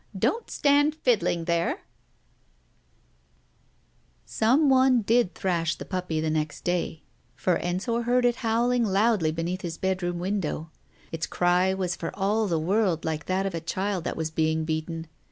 "Don't stand fiddling there !"••••••• Some one did thrash the puppy next day, for Ensor heard it howling loudly beneath his bedroom window. Its cry was for all the world like that of a child that was being beaten.